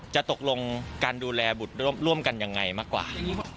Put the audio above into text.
จะตกลงการดูแลบุตรร่วมกันยังไงมากกว่า